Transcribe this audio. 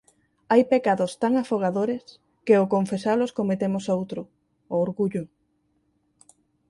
Hai pecados tan afagadores que ó confesalos cometemos outro: o orgullo!